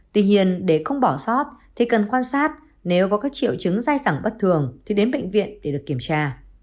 tuy nhiên để không bỏ sót thì cần quan sát nếu có các triệu chứng dai dẳng bất thường thì đến bệnh viện để được kiểm tra